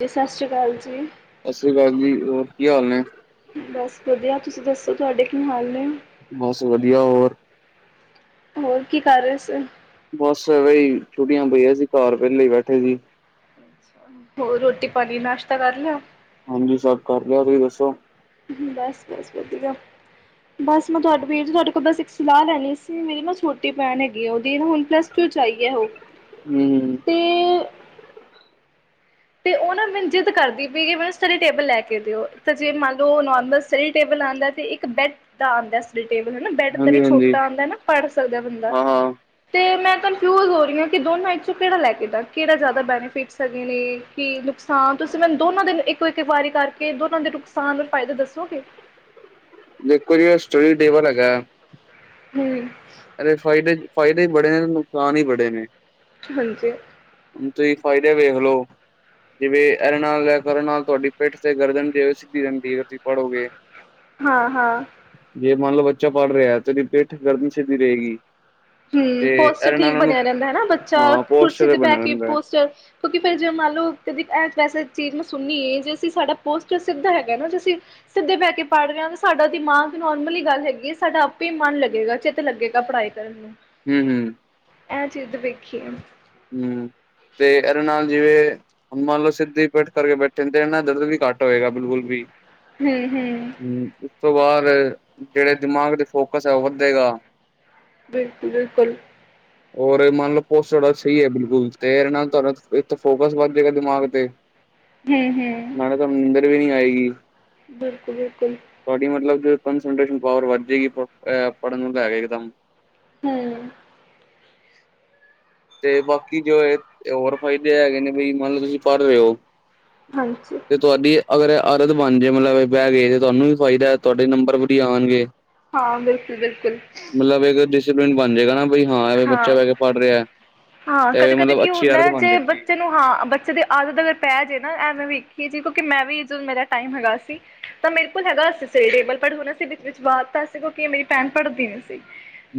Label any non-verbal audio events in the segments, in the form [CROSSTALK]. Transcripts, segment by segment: ਜੀ ਸਤਿ ਸ਼੍ਰੀ ਅਕਾਲ ਜੀ। ਸਤਿ ਸ੍ਰੀ ਅਕਾਲ ਜੀ ਹੋਰ ਕੀ ਹਾਲ ਨੇ। ਬਸ ਵਧੀਆ ਤੁਸੀਂ ਦੱਸੋ ਤੁਹਾਡੇ ਕੀ ਹਾਲ ਨੇ? ਬਸ ਵਧੀਆ ਹੋਰ ਹੋਰ ਕੀ ਕਰ ਰਹੇ ਸੀ? ਬਸ ਬਈ ਛੁਟੀਆਂ ਪਈਆਂ ਸੀ ਘਰ ਵੇਹਲੇ ਬੈਠੇ ਸੀ। ਹੋਰ ਰੋਟੀ ਪਾਣੀ ਨਾਸ਼ਤਾ ਕਰ ਲਿਆ। ਹਾਂਜੀ ਸਭ ਕਰ ਲਿਆ ਤੁਸੀਂ ਦੱਸੋ। ਬਸ ਬਸ ਵਧੀਆ। ਬਸ ਮੈਂ ਤੁਹਾਡੇ ਵੀਰ ਜੀ ਤੁਹਾਡੇ ਕੋਲ ਬਸ ਇੱਕ ਸਲਾਹ ਲੈਣੀ ਸੀ ਮੇਰੀ ਨਾ ਛੋਟੀ ਭੈਣ ਹੈਗੀ ਆ ਉਹਦੀ ਹੁਣ ਪਲੱਸ ਟੂ ਚ ਆਈ ਐ ਓਹ ਹਮ ਤੇ ਉਹ ਨਾ ਮੈਨੂੰ ਜਿੱਦ ਕਰਦੀ ਵੀ ਮੈਨੂੰ ਸਟੱਡੀ ਟੇਬਲ ਲੈ ਕੇ ਦਿਓ ਤਾਂ ਜੇ ਮੰਨ ਲਓ ਨੋਰਮਲ ਸਟੱਡੀ ਟੇਬਲ ਆਂਦੈ ਤੇ ਇੱਕ ਬੈੱਡ ਦਾ ਆਂਦਾ ਸਟੱਡੀ ਟੇਬਲ ਹਨਾ ਬੈੱਡ ਦਾ ਵੀ ਹਾਂਜੀ ਹਾਂਜੀ ਛੋਟਾ ਆਂਦੈ ਨਾ ਪੜ੍ਹ ਸਕਦੈ ਬੰਦਾ। ਹਾਂ ਹਾਂ ਤੇ ਮੈਂ ਕਨਫਿਊਜ਼ ਹੋ ਰਹੀ ਹਾਂ ਕਿ ਦੋਨਾ ਈ ਚੋਂ ਕਿਹੜਾ ਲੈ ਕੇ ਦਾ ਕਿਹੜਾ ਜ਼ਿਆਦਾ ਬੈਨੀਫਿਟਸ ਹੈਗੇ। ਕਿ ਨੁਕਸਾਨ ਤੁਸੀਂ ਮੈਨੂੰ ਦੋਨਾਂ ਦੇ ਇੱਕੋ ਇੱਕ ਵਾਰੀ ਕਰਕੇ ਦੋਨਾਂ ਦੇ ਨੁਕਸਾਨ ਨਾਲ ਫਾਇਦੇ ਦੱਸੋਗੇ। ਦੇਖੋ ਜੀ ਸਟੱਡੀ ਟੇਬਲ ਹੈਗੈ। ਹਮ ਇਹਦੇ ਫਾਇਦੇ ਫਾਇਦੇ ਹੀ ਬੜੇ ਨੇ ਨੁਕਸਾਨ ਹੀ ਬੜੇ ਨੇ ਹਾਂਜੀ ਤੁੂਸੀ ਫਾਇਦੇ ਵੇਖਲੋ ਜਿਵੇਂ ਐਦੇ ਨਾਲ ਕਰਨ ਨਾਲ ਤੁਹਾਡੀ ਪਿੱਠ ਤੇ ਗਰਦਨ ਜੇ ਸਿੱਧੀ ਰਹਿੰਦੀ ਏ ਤੁਸੀਂ ਪੜ੍ਹੋਗੇ ਹਾਂ-ਹਾਂ ਜੇ ਮੰਨ ਲਓ ਬੱਚਾ ਪੜ੍ਹ ਰਿਹਾ ਤੇ ਓਹਦੀ ਪਿੱਠ ਗਰਦਨ ਸੀਧੀ ਰਹੇਗੀ। ਹਮ ਤੇ ਪੋਸਚਰ ਇਹਦੇ ਠੀਕ ਨਾਲ ਉਹਨੂੰ ਬਣਿਆ ਰਹਦੈ ਹਨਾ ਬੱਚਾ ਹਾਂ ਕੁਰਸੀ ਪੋਸਚਰ ਤੇ ਬਹਿ ਬਣਿਆ ਕੇ ਰਹਿੰਦਾ ਪੋਸਚਰ ਕਿਉਂਕਿ ਫਿਰ ਜੇ ਮੰਨ ਲਓ ਕ ਵੈਸੇ ਚੀਜ਼ ਮੈਂ ਸੁਨੀ ਏ ਜੇ ਅਸੀਂ ਸਾਡਾ ਪੋਸਚਰ ਸਿੱਧਾ ਹੈਗਾ ਨਾ ਜੇ ਅਸੀਂ ਸਿੱਧੇ ਬਹਿ ਕੇ ਪੜ੍ਹ ਰਿਹੇ ਆਂ ਸਾਡਾ ਦਿਮਾਗ ਨੋਰਮਲੀ ਗੱਲ ਹੈਗੀ ਸਾਡਾ ਆਪੇ ਹੀ ਮਨ ਲੱਗੇਗਾ ਤੇ ਲੱਗੇਗਾ ਪੜ੍ਹਾਈ ਕਰਨ ਨੂੰ ਹਮ-ਹਮ ਇਹ ਚੀਜ ਤੇ ਵੇਖੀਏ ਹਮ ਤੇ ਇਹ ਦੇ ਨਾਲ ਜਿਵੇਂ ਹੁਣ ਮੰਨ ਲਓ ਸਿੱਧੀ ਪਿੱਠ ਕਰਕੇ ਬੈਠੇ ਨ ਤੇ ਨਾਲ ਦਰਦ ਵੀ ਘੱਟ ਹੋਏਗਾ ਬਿਲਕੁਲ ਵੀ ਹਮ-ਹਮ ਉਸ ਤੋਂ ਬਾਦ ਜਿਹੜੇ ਦਿਮਾਗ ਤੇ ਫੋਕਸ ਹੈ ਉਹ ਵੱਧੇਗਾ ਬਿਲਕੁਲ-ਬਿਲਕੁਲ ਹੋਰ ਇਹ ਮਨ ਲੋ ਪੋਸੜਚ ਸਹੀ ਹੈ ਬਿਲਕੁਲ ਤੇ ਇਰਦੇ ਨਾਲ ਤੁਹਾਡਾ ਫੋਕਸ ਵੱਧ ਜਾਏਗਾ ਦਿਮਾਗ ਤੇ ਹਮ-ਹਮ ਤਮ ਨਿੰਦੱਰ ਵੀ ਨਹੀਂ ਆਏਗੀ ਬਿਲਕੁਲ-ਬਿਲਕੁਲ ਤੁਹਾਡੀ ਮਤਲਬ ਕਸਂਟ੍ਰੇਸ਼ਨ ਪਾਵਰ ਵੱਧ ਜਾਏਗੀ ਪ ਏ ਪੜ੍ਹਨ ਨੂੰ ਲੈਕੇ ਏਕਦਮ ਹਮ ਤੇ ਬਾਕੀ ਜੋ ਇਹ ਹੋਰ ਫਾਇਦੇ ਹੈਗੇ ਨੇ ਬਈ ਮੰਨ ਲਓ ਤੁਸੀਂ ਪੜ੍ਹ ਰਹੇ ਹੋ ਹਾਂਜੀ ਤੇ ਤੁਹਾਡੀ ਅਗਰ ਏ ਆਦਤ ਬਣ ਜੇ ਮਤਲਬ ਬਹਿ ਗਏ ਤੇ ਤੁਹਾਨੂੰ ਵੀ ਫਾਇਦਾ ਤੁਹਾਡੇ ਨੰਬਰ ਵਧੀਆ ਆਣਗੇ। ਹਾਂ ਬਿਲਕੁਲ-ਬਿਲਕੁਲ ਮਤਲਬ ਇੱਕ ਡਿਸਿਪਲਿਨ ਬਣ ਜਾਏਗਾ ਨਾ ਬਈ ਹਾਂ ਇਹ ਬੱਚਾ ਬਹਿ ਕੇ ਪੜ੍ਹ ਰਿਆ ਐ। ਹਾਂ ਕਦੇ-ਕਦੇ ਕੀ ਹੁੰਦਾ ਹੈ ਜੇ ਜਾਂਦੀ ਹੈ। ਬੱਚੇ ਨੂੰ ਹਾਂ ਬੱਚੇ ਦੇ ਆਦਤ ਏਂਵੇ ਪੈ ਜੇ ਨਾ ਐ ਮੈਂ ਵੇਖੀਏ ਜੀ ਕਿਉਂਕਿ ਮੈਂ ਵੀ ਜਦੋਂ ਮੇਰਾ ਟਾਈਮ ਹੈਗਾ ਸੀ। ਤਾਂ ਮੇਰੇ ਕੋਲ ਹੈਗਾ ਅ ਸੀ ਸ ਟੇਬਲ ਪਰ ਹੁਣ ਅਸੀਂ ਵਿਚ ਵਾ ਦਿਤਾ ਸੀ ਕਿਉਂਕਿ ਮੇਰੀ ਭੈਣ ਪੜ੍ਹਦੀ ਨਈ ਸੀ।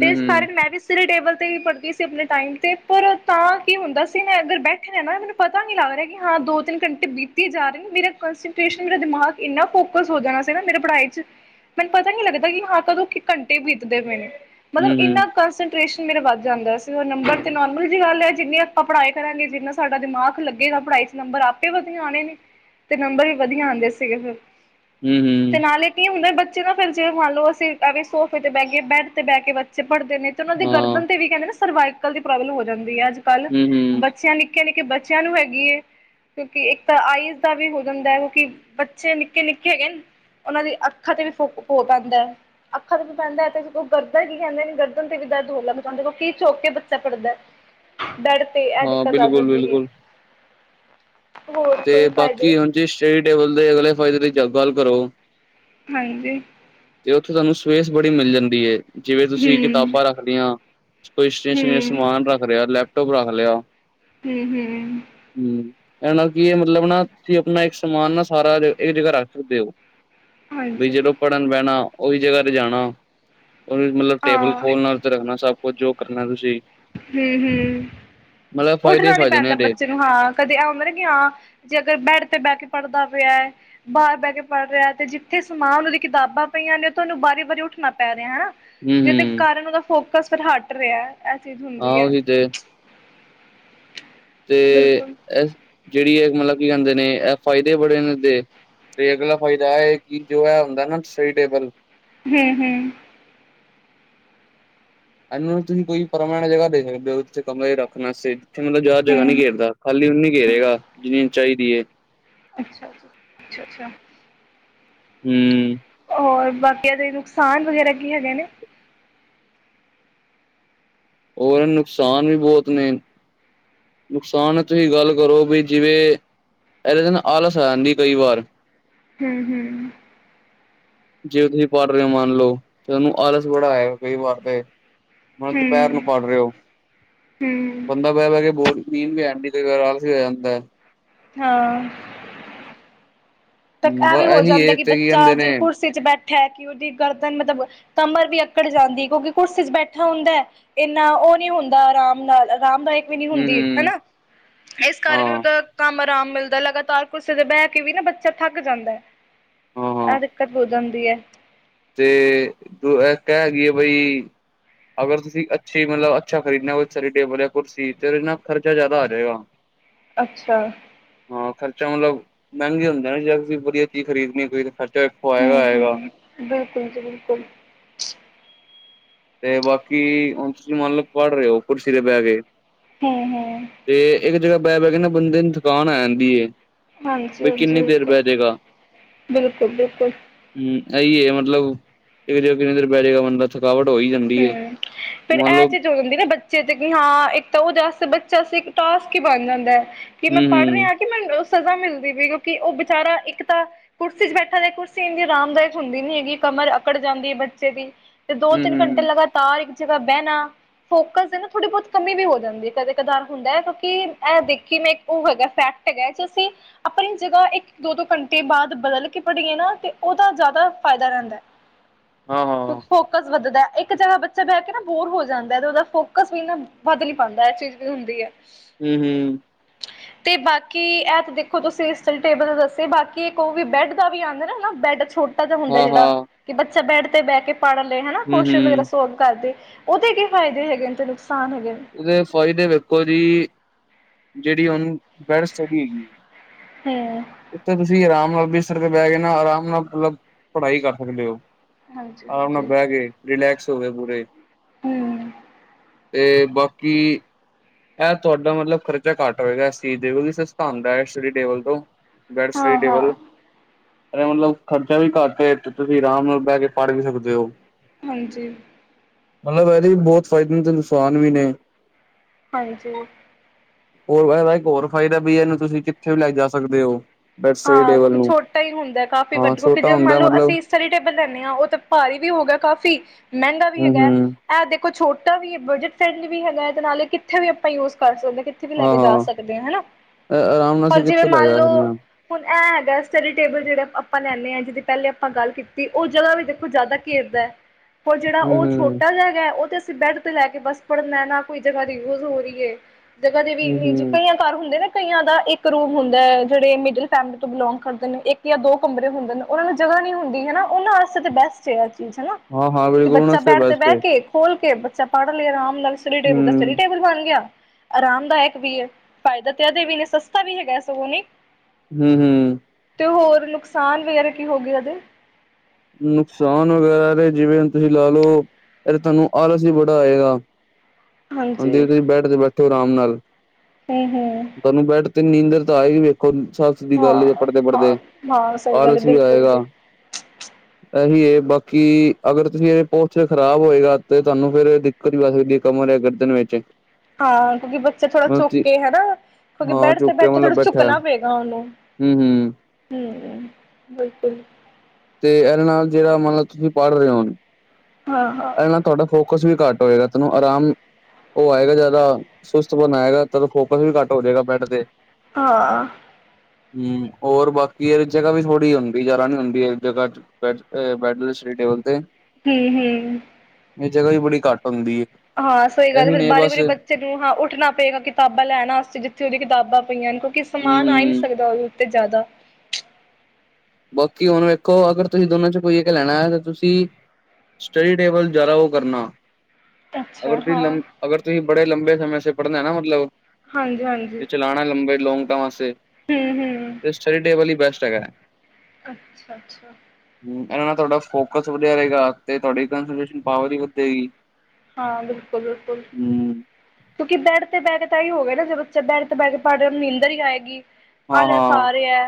ਤੇ ਇਸ ਹੂੰ ਕਾਰਨ ਮੈਂ ਵੀ ਸਿਰੇ ਟੇਬਲ ਤੇ ਵੀ ਪੜ੍ਹਦੀ ਸੀ ਆਪਣੇ ਟਾਈਮ ਤੇ ਪਰ ਤਾਂ ਕੀ ਹੁੰਦਾ ਸੀ ਨਾ ਅਗਰ ਬੈਠੇ ਨੇ ਨਾ ਮੈਨੂੰ ਪਤਾ ਨਈ ਲੱਗ ਰਿਆ ਕਿ ਹਾਂ ਦੋ ਤਿੰਨ ਘੰਟੇ ਬੀਤੇ ਜਾ ਰਏ ਨੇ ਮੇਰਾ ਕਸਂਟ੍ਰੇਸ਼ਨ ਮੇਰਾ ਦਿਮਾਗ ਇੰਨਾ ਫੋਕ ਹੋ ਜਾਣਾ ਸੀ ਨਾ ਮੇਰੇ ਪੜ੍ਹਾਈ 'ਚ ਮੈਨੂੰ ਪਤਾ ਨੀ ਲੱਗਦਾ ਕਿ ਹਾਂ ਕਦੋਂ ਘੰਟੇ ਬੀਤਦੇ ਪਏ ਨੇ। ਮਤਲਬ ਹੂੰ ਇੰਨਾ ਕੋਂਸੈਂਟ ਮੇਰੇ ਵੱਧ ਜਾਂਦਾ ਸੀ ਉਹ ਨੰਬਰ ਤੇ ਨੋਰਮਲ ਜਿਹੀ ਗੱਲ ਹੈ ਜਿੰਨੀ ਆਪਾਂ ਪੜ੍ਹਾਈ ਕਰਾਂਗੇ ਜਿੰਨਾ ਸਾਡਾ ਦਿਮਾਗ ਲੱਗੇਗਾ ਪੜ੍ਹਾਈ ਨੰਬਰ ਆਪੇ ਵਧੀਆ ਆਣੇ ਨੇ ਤੇ ਨੰਬਰ ਵੀ ਵਧੀਆ ਆਉਂਦੇ ਸੀਗੇ ਫਿਰ ਹੂੰ-ਹੂੰ ਤੇ ਨਾਲੇ ਕੀ ਹੁੰਦਾ ਬੱਚੇ ਦਾ ਫਿਰ ਜੇ ਮੰਨ ਲਓ ਅਸੀਂ ਐਂ ਸੋਫੇ ਤੇ ਬਹਿ ਕੇ ਬੈੱਡ ਤੇ ਬਹਿ ਕੇ ਬੱਚੇ ਪੜ੍ਹਦੇ। ਨੇ ਤੇ ਉਹਨਾਂ ਦੇ ਹਾਂ ਗਰਦਨ ਤੇ ਵੀ ਕੈਂਦੇ ਨਾ ਸਰਵਾਈਕਲ ਦੀ ਪ੍ਰੋਬਲਮ ਹੋ ਜਾਂਦੀ ਹੈ ਅੱਜ ਕੱਲ੍ਹ ਹੂੰ ਹੂੰ ਬੱਚਿਆਂ ਨ ਨਿਕੇ-ਨਿਕੇ ਬੱਚਿਆਂ ਨੂੰ ਹੈਗੀ ਏ। ਕਿਉਂਕਿ ਇੱਕ ਤਾਂ ਆਈਜ਼ ਦਾ ਵੀ ਹੋ ਜਾਂਦਾ ਹੈ ਕਿਉਂਕਿ ਬੱਚੇ ਨਿੱਕੇ-ਨਿੱਕੇ ਹੈਗੇ ਨ ਉਹਨਾਂ ਦੀ ਅੱਖਾਂ ਤੇ ਵੀ ਫੋਕ ਹੋ ਪੈਂਦਾ ਹੈ ਅੱਖਾਂ ਤੇ ਵੀ ਪੈਂਦਾ ਹੈ ਤੇ ਗਰਦਾ ਕੀ ਕੈਂਦੇ ਗਰ ਗਰਦਨ ਤੇ ਵੀ ਦਰਦ ਹੋਣ ਲੱਗ ਜਾਂਦੇ ਕਿਉਕਿ ਝੁਕ ਕੇ ਬੱਚਾ ਪੜ੍ਹਦਾ ਬੈ ਤੇ ਐ ਹਾਂ ਦਿਕੱਤ ਆ ਬਿਲਕੁਲ ਜਾਂਦੀ ਏ। ਬਿਲਕੁਲ ਤੇ ਫਾਇਦੇ ਬਾਕੀ ਹੁਣ ਜੀ ਸਟੇਟ ਲੇਵਲ ਦੇ ਅਗਲੇ ਫਾਇਦੇ ਦੀ ਗੱਲ ਕਰੋ। ਹਾਂਜੀ ਤੇ ਉੱਥੇ ਤੁਹਾਨੂੰ ਸਪੇਸ ਬੜੀ ਮਿਲ ਜਾਂਦੀ ਏ। ਜਿਵੇਂ ਤੁਸੀਂ ਕਿਤਾਬਾਂ ਹੂੰ-ਹੂੰ ਰੱਖ ਲਈਆਂ ਕੋਈ ਸਟੇਸ਼ਨ ਸਮਾਨ ਰੱਖ ਲਿਆ ਲੈਪਟੋਪ ਰੱਖ ਲਿਆ। ਹੂੰ-ਹੂੰ ਹੂੰ ਇਹ ਨਾਲ ਕੀ ਹੈ ਮਤਲਬ ਨਾ ਤੁਸੀਂ ਆਪਣਾ ਇੱਕ ਸਮਾਨ ਨਾ ਸਾਰਾ ਇੱਕ ਜਗ੍ਹਾ ਰੱਖ ਸਕਦੇ ਹੋ। ਵੀ ਹਾਂਜੀ ਜਦੋਂ ਬਿਲਕੁਲ ਪੜ੍ਹਨ ਬੈਣਾ ਉਹੀ ਜਗ੍ਹਾ ਤੇ ਜਾਣਾ ਉਹਨੂੰ ਮਤਲਬ ਹਾਂ ਟੇਬਲ ਖੋਲ ਨਾਲ ਰੱਖਣਾ ਸਭ ਕੁਝ ਜੋ ਕਰਨਾ ਤੁਸੀਂ ਹੂੰ ਹੂੰ ਮਤਲਬ ਫਾਇਦੇ ਹੀ ਉੱਠਣਾ ਨਈ ਫਾਇਦੇ ਨੇ ਪੈਂਦਾ ਇਹਦੇ ਬੱਚੇ ਨੂੰ ਹਾਂ ਕਦੇ ਆ। ਜੇ ਅਗਰ ਬੈਡ ਤੇ ਬਹਿ ਕੇ ਪੜ੍ਹਦਾ ਪਿਆ ਐ। ਬਾਹਰ ਬਹਿ ਕੇ ਪੜ੍ਹ ਰਿਆ ਤੇ ਜਿੱਥੇ ਸਮਾਨ ਉਹਦੀ ਕਿਤਾਬਾਂ ਪਈਆਂ ਨੇ ਤੁਹਾਨੂੰ ਬਾਰੀ ਵਾਰੀ ਉੱਠਣਾ ਪੈ ਰਿਆ ਹਨਾ। ਹੂੰ ਜਿਹਦੇ ਹੂੰ ਕਾਰਨ ਉਹਦਾ ਫੋਕਸ ਫਿਰ ਹਟ ਰਿਆ ਇਹ ਚੀਜ਼ ਹਾਂ ਹੁੰਦੀ ਹੈ‌। ਉਹੀ ਤੇ ਤੇ ਬਿਲਕੁਲ ਜੇੜੀ ਇਹ ਮਤਲਬ ਕੀ ਐਂਦੇ ਨੇ ਇਹ ਫਾਇਦੇ ਬੜੇ ਨੇ ਦੇ ਤੇ ਅਗਲਾ ਫਾਇਦਾ ਕਿ ਜੋ ਹੈ ਹੁੰਦਾ ਨਾ ਸਈ ਟੇਬਲ ਹੂੰ-ਹੂੰ ਇਹਨਾਂ ਤੁਸੀਂ ਕੋਈ ਪਰਮਾਨੈਂਟ ਜਗ੍ਹਾ ਦੇ ਸਕਦੇ ਹੋ ਜਿੱਥ ਕਮਰੇ ਰੱਖ ਵਸਤੇ ਜਿੱਥੇ ਮਤਲਬ ਜ਼ਿਆਦਾ ਜਗ੍ਹਾ ਨਈ ਹੂੰ ਘੇਰਦਾ। ਖਾਲੀ ਉਨੀ ਘੇਰੇਗਾ ਜਿੰਨੀ ਚਾਹੀਦੀ ਏ। ਅੱਛਾ-ਅੱਛਾ-ਅੱਛਾ ਹੂੰ ਹੋਰ ਬਾਕੀ ਇਹਦੇ ਨੁਕਸਾਨ ਵਗੈਰਾ ਕੀ ਹੈਗੇ ਨੇ। ਹੋਰ ਨੁਕਸਾਨ ਵੀ ਬੋਤ ਨੇ। ਨੁਕਸਾਨ ਤੁਸੀਂ ਗੱਲ ਕਰੋ ਵੀ ਜਿਵੇਂ ਇਹਦੇ ਆਲਸ ਆ ਜਾਂਦੀ ਕਈ ਵਾਰ ਹੂੰ-ਹੂੰ ਜੇ ਤੁਸੀਂ ਪੜ੍ਹ ਰਏ ਓ ਮੰਨ ਲਓ ਤੁਹਾਨੂੰ ਆਲਸ ਬੜਾ ਆਏ ਕਈ ਵਾਰ ਤੇ ਹੁਨ ਦੁਪੈਰ ਹੂੰ, ਨੂੰ ਪੜ੍ਹ ਰਏ ਹੋ ਹੂੰ ਬੰਦਾ ਬਹਿ ਬਹਿ ਕੇ ਬੋਰ ਨੀਂਦ ਵੀ ਆਉਂਦੀ ਲੇਕਿਨ ਆਰਾਮ ਸੇ ਹੋ ਜਾਂਦਾ ਹੈ। ਹਾਂ ਤਾਂ ਇਹ ਬ ਵੀ ਹੋ ਇਹੀ ਜਾਂਦਾ, ਏਜ ਕਿ ਤੇ ਕੀ ਬੱਚਾ ਕਹਿੰਦੇ ਨੇ ਜੇ ਕੁਰਸੀ ਚ ਬੈਠਾ ਐ ਕਿ ਉਹਦੀ ਗਰਦਨ ਮਤਲਬ ਕਮਰ ਵੀ ਅਕੜ ਜਾਂਦੀ ਕਿਉਂਕਿ ਕੁਰਸੀ ਚ ਬੈਠਾ ਹੁੰਦਾ ਹੈ। ਇੰਨਾ ਉਹ ਨੀ ਹੁੰਦਾ ਆਰਾਮ ਨਾਲ ਆਰਾਮ ਦਾ ਇੱਕ ਵੀ ਨਹੀਂ ਹੂੰ ਹੁੰਦੀ ਹੂੰ ਹੈਨਾ ਇਸ ਕਰ ਕੇ ਹਾਂ ਉਹਦਾ। ਕੰਮ ਆਰਾਮ ਮਿਲਦਾ ਲਗਾਤਾਰ ਕੁਰਸੀ ਤੇ ਬਹਿ ਕੇ ਵੀ ਨਾ ਬੱਚਾ। ਥਕ ਜਾਂਦਾ ਹਾਂ ਹਾਂ ਐ ਦਿੱਕਤ ਹੋ ਜਾਂਦੀ ਐ। ਤੇ ਐ ਕਹਿ ਗਈ ਐ ਬਈ। ਅਗਰ ਤੁਸੀਂ ਅੱਛੀ ਮਤਲਬ ਅੱਛਾ ਖਰੀਦਣਾ ਹੋ ਸਲੀ ਟੇਬਲ ਜਾਂ ਕੁਰਸੀ ਤੇ ਉਹਦੇ ਨਾਲ ਖਰਚਾ ਜ਼ਿਆਦਾ ਆ ਜਾਵੇਏਗਾ। ਅੱਛਾ। ਹਾਂ ਖਰਚਾ ਮਤਲਬ ਮਹਿੰਗੇ ਹੁੰਦੇ ਨੇ ਜਾਦ ਕੋਈ ਵਧੀਆ ਚੀਜ਼ ਖਰੀਦਣੀ ਕੋਈ ਤਾਂ ਖਰਚਾ। ਵੇਖੋ ਹੂ ਆਏਗਾ ਆਏਗਾ ਹੂ ਬਿਲਕੁਲ ਜੀ ਬਿਲਕੁਲ ‌ ਤੇ ਬਾਕੀ ਹੁਣ ਤੁਸੀਂ ਮੰਨਲਓ ਪੜ ਰਹੇ ਹੋ ਕੁਰਸੀ ਤੇ ਬਹਿ ਕੇ ਹੂ ਹੂ ਤੇ ਇੱਕ ਜਗ੍ਹਾ ਬੈ ਬਹਿ ਕੇ ਨਾ ਬੰਦੇ ਨੂੰ ਥਕਾਨ ਆ ਜਾਂਦੀ ਏ। ਹਾਂਜੀ ਬਈ ਹਾਂਜੀ ਕਿੰਨੀ ਦੇਰ ਬਿਲਕੁਲ ਬਹਿ ਬਿਲਕੁਲ ਬਿਲਕੁਲ। ਹਮ ਇਹੀ ਹੈ ਮਤਲਬ ਇੱਕ ਜਗਾਹ ਕਿੰਨੀ ਦੇਰ ਬਹਿ ਜਾਏਗਾ ਬੰਦਾ ਥਕਾਵਟ ਹੋ ਹੀ ਜਾ। ਹੂ ਫਿਰ ਇਹ ਚ। ਜਾਂਦੀ ਨਾ ਬੱਚੇ ਤੇ ਕਿ ਹਾਂ ਇੱਕ ਤਾਂ ਉਹਦੇ ਵਾਸਤੇ ਬੱਚਾ ਇੱਕ ਟਾਸਕ ਹੀ ਬਣ ਜਾਂਦਾ ਹੈ। ਕਿ ਮੈਂ ਹੂੰ ਪੜ੍ਹ ਹੂੰ ਰਿਹਾ ਕਿ ਮੈਨੂੰ ਸਜ਼ਾ ਮਿਲਦੀ ਪਈ ਕਿਉਂਕਿ ਉਹ ਵਿਚਾਰਾ ਇੱਕ ਤਾਂ। ਕੁਰਸੀ ਚ ਬੈਠਾ ਦੇ ਕੁਰਸੀ ਇੰਨੀ ਆਰਾਮਦਾਇਕ ਹੁੰਦੀ ਨੀ ਹੈਗੀ ਕਮਰ ਅਕੜ ਜਾਂਦੀ ਹੈ ਬੱਚੇ ਦੀ ਤੇ। ਦੋ ਹੂੰ ਤਿੰਨ ਘੰਟੇ ਹੂੰ ਲਗਾਤਾਰ ਇੱਕ ਜਗ੍ਹਾ ਬਹਿਣਾ। ਫੋਕਸ ਦੇ ਨਾ ਥੋੜੀ ਬਹੁਤ ਕਮੀ ਵੀ ਹੋ ਜਾਂਦੀ ਹੈ ਕਦੇ ਕਦਾਰ ਹੁੰਦਾ ਹੈ ਕਿਉਂਕਿ ਇਹ ਦੇਖੀ ਮੈਂ ਇੱਕ ਉਹ ਹੈਗਾ ਫੈਕਟ। ਹੈਗਾ ਐ ਤੁਸੀ ਆਪਣੀ ਜਗ੍ਹਾ ਇੱਕ ਦੋ ਦੋ ਘੰਟੇ ਬਾਅਦ ਬਦਲ ਕੇ ਪੜੀਏ ਨਾ ਤੇ ਉਹਦਾ ਜ਼ਿਆਦਾ ਫਾਇਦਾ ਰਹਿੰਦਾ। ਹ [UNINTELLIGIBLE] ਹਾਂ ਹਾਂ। ਫੋਕਸ ਵੱਧਦਾ, ਇੱਕ ਜਗ੍ਹਾ ਬੱਚਾ ਬਹਿ ਕੇ ਨਾ ਬੋਰ ਹੋ ਜਾਂਦਾ ਤੇ ਉਹਦਾ ਫੋਕਸ ਵੀ ਵੱਧ ਨੀ ਪਾਂਦਾ ਇਹ ਚੀਜ਼ ਵੀ ਹੁੰਦੀ ਐ। ਹੂ ਹੂ [INAUDIBLE] 'ਤੇ ਬਾਕੀ ਇਹ ਤਾਂ ਦੇਖੋ ਤੁਸੀਂ ਇਸ ਟੇਬਲ ਦੱਸੇ ਬਾਕੀ ਇੱਕ ਉਹ ਵੀ ਬੈਡ ਦਾ ਵੀ ਆਂਦਾ ਹੈਨਾ ਬੈਡ ਛੋ ਟਾ ਜਾ ਹੁੰਦਾ ਹਾਂ ਜਿਹੜਾ ਹਾਂ ਕਿ ਬੱਚਾ ਬੈਡ 'ਤੇ ਬਹਿ ਕੇ ਪੜ੍ਹ ਲਏ ਹਨਾ ਹੂੰ ਕੁਸ਼ਨ ਵਗੈਰਾ ਹੂੰ ਸੋਲਵ ਕਰਦੇ। ਉਹਦੇ ਕੀ ਫਾਇਦੇ ਹੈਗੇ ਨੇ 'ਤੇ ਨੁਕਸਾਨ ਹੈਗੇ? ਉਹਦੇ ਫਾਇਦੇ ਵੇਖੋ ਦੀ, ਜਿਹੜੀ ਉਹਨੂੰ ਬੈਡ ਸਟੱਡੀ ਹੈਗੀ ਹੂ ਉੱਥੇ ਤੁਸੀਂ ਆਰਾਮ ਨਾਲ ਬਿਸਰ 'ਤੇ ਬਹਿ ਕੇ ਨਾ ਆਰਾਮ ਨਾਲ ਮਤਲਬ ਪੜ੍ਹਾਈ ਕਰ ਸਕਦੇ ਓ। ਹਾਂਜੀ ਆਮ ਨਾਲ ਹਾਂਜੀ ਬਹਿ ਗਏ ਰਿਲੈਕਸ ਹੋ ਗਏ ਪੂਰੇ। ਹੂ 'ਤੇ ਬਾਕੀ ਇਹ ਤੁਹਾਡਾ ਮਤਲਬ ਖਰਚਾ ਘੱਟ ਹੋਏਗਾ ਅੱਸੀ ਦੇ ਸਸਤਾ ਹੁੰਦਾ ਐ ਸਟੱਡੀ ਟੇਬਲ ਤੋਂ। ਬੈਡ ਸਟੱਡੀ ਹਾਂ ਹਾਂ ਟੇਬਲ। ਏ ਮਤਲਬ ਖਰਚਾ ਵੀ ਘੱਟ ਏ 'ਤੇ ਤੁਸੀਂ ਆਰਾਮ ਨਾਲ ਬਹਿ ਕੇ ਪੜ੍ਹ ਵੀ ਸਕਦੇ ਓ। ਹਾਂਜੀ। ਮਲਬ ਇਹਦੇ ਵੀ ਬੋਤ ਫੈਦੇ ਨ 'ਤੇ ਨੁਕਸਾਨ ਵੀ ਨੇ। ਹਾਂਜੀ। ਹੋਰ ਇਹਦਾ ਇੱਕ ਹੋਰ ਫਾਇਦਾ ਵੀ ਇਹਨੂੰ ਤੁਸੀਂ ਕਿੱਥੇ ਵੀ ਲੈ ਜਾ ਸਕਦੇ ਓ। ਹਾਂ ਕਿਉਂਕਿ ਛੋਟਾ ਈ ਹੁੰਦਾ ਕਾਫੀ ਹਾਂ ਵੱਡ ਕਿਉਂਕਿ ਛੋਟਾ ਜੇ ਮੰਨ ਹੁੰਦਾ ਲਓ ਮਤਲਬ ਅਸੀਂ ਸਟੱਡੀ ਟੇਬਲ ਲੈਂਨੇ ਆ ਉਹ ਤਾਂ ਭਾਰੀ ਵੀ ਹੋ ਗਿਆ ਕਾਫ਼ੀ ਮੈਂਗਾ ਵੀ ਹੂੰ ਹੈਗਾ। ਹੂੰ ਇਹ ਦੇਖੋ ਛੋਟਾ ਵੀ ਬਜਟ ਫਰੈਂਡਲੀ ਵੀ ਹੈਗਾ 'ਤੇ ਨਾਲੇ ਕਿੱਥੇ ਵੀ ਆਪਾਂ ਯੂਜ ਕਰ ਸਕਦੇ ਆ ਕਿ ਥੇ ਵੀ ਲੈ ਹਾਂ ਕੇ ਜਾ ਹਾਂ ਸਕਦੇ ਆ ਹਨਾ, ਆਰਾਮ ਨਾਲ ਹੋਰ ਅਸੀਂ ਜਿਵੇਂ ਕਿੱਥੇ ਲੈ ਮੰਨ ਜਾ ਲੋ ਸਕਦੇ ਹਾਂ ਹੁਣ ਇਹ ਹੈਗਾ ਸਟੱਡੀ ਟੇਬਲ ਜੇੜੇ ਆਪਾਂ ਲੈਂਨੇ ਆ ਜਿਦੀ ਪੈਲੇ ਆਪਾਂ ਗੱਲ ਕੀਤੀ ਉਹ ਜਗ੍ਹਾ ਵੀ ਦੇਖੋ ਜ਼ਿਆਦਾ ਘੇਰਦਾ। ਹੋਰ ਜੇੜਾ ਹੂੰ ਉਹ ਛੋਟਾ ਹੂੰ ਜਿਹਾ ਹੈਗਾ ਉਹ 'ਤੇ ਅਸੀਂ ਬੈਡ 'ਤੇ ਲੈ ਕੇ ਬੱਸ ਪੜ੍ਹਨਾ ਨਾ ਕੋਈ ਜਗ੍ਹਾ ਦੀ ਯੂਜ ਹੋ ਰਹੀ ਏ ਜਗ੍ਹਾ ਦੀ ਵੀ ਹੂੰ ਨੀਜ ਹੂੰ ਕਈਆਂ ਘਰ ਹੁੰਦੇ ਨੇ ਕਈਆਂ ਦਾ ਇੱਕ ਰੂਮ ਹੁੰਦਾ ਐ ਜੇੜੇ ਮਿਡਲ ਫੈਮਿਲੀ ਤੋਂ ਬਿਲੋਂਗ ਕਰਦੇ ਨੇ ਇੱਕ ਜਾਂ ਦੋ ਕਮਰੇ ਹੁੰਦੇ ਨੇ ਉਹਨਾਂ ਨੂੰ ਜਗ੍ਹਾ ਨੀ ਹੁੰਦੀ ਹੈਨਾ ਉਹਨਾਂ ਵਾਸਤੇ 'ਤੇ ਬੈਸਟ ਏ। ਹਨਾ ਹਾਂ ਹਾਂ ਕਿ ਬਿਲਕੁਲ ਉਹਨਾਂ ਬੱਚਾ ਵਾਸਤੇ ਬੈਡ 'ਤੇ ਬੈਸਟ ਬੈ ਹੈ ਕੇ ਖੋਲ ਕੇ ਬੱਚਾ ਪੜ੍ਹ ਲੈ ਆਰਾਮ ਨਾਲ ਸਟੱਡੀ ਟੇਬਲ ਦਾ ਸਟੱਡੀ ਹੂੰ ਟੇਬਲ ਬਣ ਗਿਆ। ਆਰਾਮਦਾਇਕ ਵੀ ਏ ਫਾਇਦਾ 'ਤੇ ਇਹਦੇ ਵੀ ਨੇ ਸਸਤਾ ਵੀ ਹੈਗਾ ਸਗੋਂ ਨੀ। ਹੂੰ ਹੂੰ 'ਤੇ ਹੋਰ ਨੁਕਸਾਨ ਵਗੈਰਾ ਕੀ ਹੋਗੇ ਇਹਦੇ? ਨੁਕਸਾਨ ਵਗੈਰਾ ਦੇ ਜਿਵੇਂ ਹੁਣ ਤੁਸੀਂ ਲਾ ਲੋ ਏਹਦੇ ਤੁਹਾਨੂੰ ਆਲਸ ਈ ਬੜਾ ਆਏਗਾ। ਹਾਂਜੀ ਤੁਸੀਂ ਬੈਡ 'ਤੇ ਬੈਠੇ ਓ ਆਰਾਮ ਨਾਲ। ਹੂੰ ਹੂੰ ਤੁਹਾਨੂੰ ਬੈਡ 'ਤੇ ਨੀਂਦਰ ਤਾਂ ਆਏਗੀ ਵੇਖੋ ਸ ਸਿੱਧੀ ਗੱਲ ਏ ਹਾਂ ਹਾਂ ਪੜ੍ਹਦੇ-ਪੜ੍ਹਦੇ, ਹਾਂ ਸਹੀ ਗੱਲ ਹੈ ਆਲਸ ਵੀ ਬਿਲਕੁਲ ਆਏਗਾ। ਜੀ ਇਹੀ ਏ ਬਾਕੀ ਅਗਰ ਤੁਸੀਂ ਇਹ ਪੋਸਚਰ ਖ਼ਰਾਬ ਹੋਏਗਾ 'ਤੇ ਤੁਹਾਨੂੰ ਫੇਰ ਕਦੀ ਬੈ [UNINTELLIGIBLE] ਸਕ ਗੇਕਾ ਮਾਰਿਆ ਗਰਦਨ ਵਿੱਚ। ਹਾਂ ਕਿਉਂਕਿ ਬੱਚੇ ਥੋੜਾ ਝੁਕ ਕੇ ਮਤਲਬ ਹਨਾ ਕਿਉਂਕਿ ਹਾਂ ਬੈਡ 'ਤੇ ਝੁਕ ਕੇ ਬੈਠੇ ਥੋੜਾ ਮਤਲਬ ਬੈਠਾ ਝੁਕਣਾ ਪੇਗਾ ਉਹਨੂੰ। ਹੂੰ ਹੂੰ ਹੂੰ ਬਿਲਕੁਲ। 'ਤੇ ਇਹਦੇ ਨਾਲ ਜੇੜਾ ਮਤਲਬ ਤੁਸੀਂ ਪੜ੍ਹ ਰਹੇ ਓ ਹਾਂ-ਹਾਂ। ਤੁਹਾਡਾ ਫੋਕਸ ਵੀ ਘੱਟ ਹੋਏਗਾ ਤੈਨੂੰ ਆਰਾਮ ਉਹ ਆਏਗਾ ਜ਼ਿਆਦਾ ਸੁਸਤ ਬਣਾਏਗਾ ਤਦ ਫੋਕਸ ਵੀ ਘੱਟ ਹੋਜੇਗਾ ਬੈਡ 'ਤੇ। ਹਾਂ। ਹੂ ਹੋਰ ਬਾਕੀ ਇਹ ਜਗ੍ਹਾ ਵੀ ਥੋੜ੍ਹੀ ਹੁੰਦੀ ਜਿਆਰਾ ਨੀ ਹੁੰਦੀ ਜਗ੍ਹਾ ਚ ਬੈ ਬੈਡੂਲਨ ਸਟੇਡੀ ਬਲ ਤੇ ਹਮ ਹਮ ਇਹ ਜਗ੍ਹਾ ਵੀ ਬੜੀ ਘੱਟ ਹੁੰਦੀ ਏ ਹਾਂ ਸਹੀ ਗੱਲ ਏ ਫੇਰ ਬਾਰੀ ਵਾਰੀ ਨੂੰ ਹਾਂ ਉੱਠਣਾ ਪਏਗਾ ਕਿਤਾਬਾਂ ਲੈਣ ਵਾਸਤੇ ਜਿੱਥੇ ਉਹਦੀ ਕਿਤਾਬਾਂ ਪਈਆਂ ਹਨ ਕਿਉਂਕਿ ਸਮਾਨ ਆ ਹੀ ਨਹੀਂ ਹਮ ਸਕਦਾ ਉਹ ਤੇ ਜ਼ਿਆਦਾ ਬਾਕੀ ਹੁਣ ਵੇਖੋ ਅਗਰ ਤੁਸੀਂ ਦੋਨਾਂ ਚ ਕੋਈ ਇਕ ਲੈਣਾ ਹੈ ਤਾਂ ਤੁਸੀਂ ਸਟੱਡੀ ਟੇਬਲ ਜ਼ਿਆਦਾ ਉਹ ਕਰਨਾ ਅੱਛਾ ਅਗਰ ਤੁਸੀਂ ਲੰ ਹਾਂ ਬੇ ਅਗਰ ਤੁਸੀਂ ਬੜੇ ਲੰਬੇ ਸਮੇਂ ਸ ਪੜ੍ਹਨਾ ਨਾ ਮਤਲਬ ਹਾਂਜੀ ਹਾਂਜੀ ਜੇ ਚਲਾਣਾ ਲੰਬੇ ਲੌਗ ਟਰਮੇ ਹੂੰ ਹੂੰ ਚੈਟੇਬਲ ਹੀ ਬੈਸਟ ਹੈਗਾ ਅੱਛਾ ਅੱਛਾ ਹੂੰ ਇਹ ਤੁਹਾਡਾ ਫੋਕਸ ਵਧੀਆ ਰਹੇਗਾ ਤੇ ਤੁਹਾਡੀ [UNINTELLIGIBLE] ਪਾਵਰ ਵੀ ਵਧੇ ਗੀ ਹਾਂ ਬਿਲਕੁਲ ਬਿਲਕੁਲ ਕਿਉਂਕਿ ਬੈਡ ਤੇ [UNINTELLIGIBLE] ਤਾਂ ਹੀ ਹੋਵੇ ਏ ਨਾ ਜੇ ਬੱਚਾ ਬੈਡ ਤੇ ਬੈ ਕੇ ਪੜ੍ਹ ਰਿਹਾ ਨੀਦਰ ਈ ਆਏਗੀ ਹਾਂ ਆਲੇ ਹਾਂ ਸਾਰੇ ਐ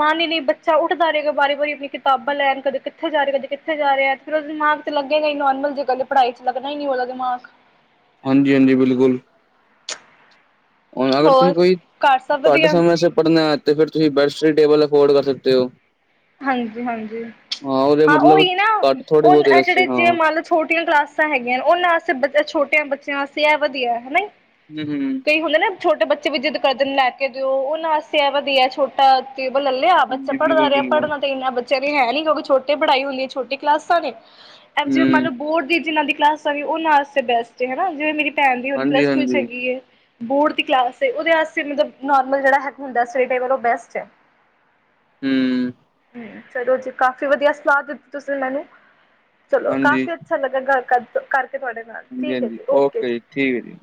ਮਨ ਹੀ ਨਹੀਂੀ ਬੱਚਾ ਉੱਠਦਾ ਰਿਹਾ ਵਾਰੀ ਵਾਰੀ ਆਪਣੀ ਕਿਤਾਬਾਂ ਲੈਣ ਕਦੇ ਕਿੱਥੇ ਜਾ ਰਿਹਾ ਕਦੇ ਕਿੱਥੇ ਜਾ ਰਿਹਾ ਫ ਉਹਦਾ ਦਿਮਾਗ ਚ ਲੱਗੇਗਾ ਹੀ ਨੋਰਮਲ ਜੇ ਕਦੇ ਪੜਾਈ ਚ ਲਗ ਹੀ ਨੀ ਉਹਦਾ ਦਿਮਾਗ ਹਾਂਜੀ ਹਾਂਜੀ ਬਿਲਕੁਲ ਹ ਅਗਰ ਤੁਸੀਂ ਹੋਰ ਕੋਈ ਘਰ ਸਭ ਘੱਟ ਵਧੀਆ ਸਮੇਂ ਸ ਪੜ੍ਹਨਾ ਤੇ ਫਿਰ ਤੁਸੀਂ ਬੈਡ ਟੇਬਲ ਅਫੋਰਡ ਕਰ ਸਕਦੇ ਹੋ ਹਾਂਜੀ ਹਾਂਜੀ ਉਹਦੇ ਹਾਂ ਮਤਲਬ ਉਹੀ ਨਾ ਘੱਟ ਥੋੜੇ ਉਹ ਬਹੁਤੇ ਇਹ ਰਸਤੇ ਜੜੇ ਹਾਂ ਚ ਮ ਛੋਟੀਆਂ ਕਲਾਸਾਂ ਹੈਗੀਆਂ ਨੇ ਉਹਨਾਂ ਵਾਸਤੇ ਬ ਛੋਟਿਆਂ ਬੱਚਿਆਂ ਵਾਸਤੇ ਇਹ ਵਧੀਆ ਹਨਾ ਹੂੰ ਹੂੰ ਕਈ ਹੁੰਦੇ ਨਾ ਛੋਟੇ ਬੱਚੇ ਵੀ ਜਿੱਦ ਕਰਦੇ ਨੇ ਲੈ ਕੇ ਦਿਓ ਉਹ ਨਾਸਤੇ ਵਧੀਆ ਛੋਟਾ ਟੇਬਲ ਆ ਬੱਚਾ ਹਾਂਜੀ ਪੜ੍ਹਦਾ ਬਿਲਕੁਲ ਰਿਹਾ ਬਿਲਕੁਲ ਪੜ੍ਹਨਾ ਤੇ ਇੰਨਾ ਬੱਚਿਆਂ ਨੇ ਹੈ ਨੀ ਕਿਉਂਕਿ ਛੋਟਟੀ ਪੜ੍ਹਾਈ ਹੁੰਦੀ ਹੈ ਛੋਟੀ ਕਲਾਸਾਂ ਨੇ ਜਿਵੇਂ ਹੂੰ ਮਤਲਬ ਬੋਰਡ ਦੀ ਜਿਹਨਾਂ ਦੀ ਕਲਾਸਾਂ ਵੀ ਉਹਨਾਂ ਵਾਸਤੇ ਬੈਸਟ ਹਨਾ ਜਿਵੇਂ ਮੇਰੀ ਭੈਣ ਦੀ ਹੁਣ ਹਾਂਜੀ ਪਲੱਸ ਟੂ ਚ ਹਾਂਜੀ ਹੈਗੀ ਏ ਬੋਰਡ ਦੀ ਕਲਾਸ ਏ ਉਹਦੇ ਵਾਸਤੇ ਜਿਹੜਾ ਨੌਰਮਲ ਸਟੱਡੀ ਟੇਬਲ ਹੁੰਦਾ ਹੈ ਉਹ ਬੈਸਟ ਐ ਹੂੰ ਹੂੰ ਚਲੋ ਜੀ ਕਾਫ਼ੀ ਵਧੀਆ ਸਲਾਹ ਦਿੱਤੀ ਤੁਸੀਂ ਮੈਨੂੰ ਚਲੋ ਹਾਂਜੀ ਕਾਫ਼ੀ ਅੱਛਾ ਲੱਗਾ ਗੱਲ ਕਰ ਕਰਕੇ ਤੁਹਾਡੇ ਨਾਲ ਠੀਕ ਐ ਜੀ ਓਕੇ ਜੀ ਠੀਕ ਏ ਜੀ